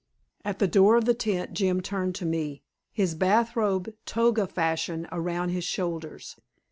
At the door of the tent Jim turned to me, his bathrobe toga fashion around his shoulders.